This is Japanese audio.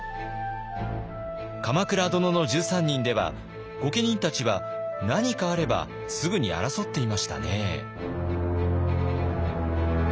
「鎌倉殿の１３人」では御家人たちは何かあればすぐに争っていましたね。